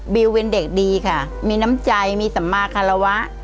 วิวเป็นเด็กดีค่ะมีน้ำใจมีสัมมาคารวะ